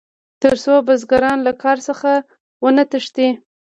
تر څو بزګران له کار څخه ونه تښتي.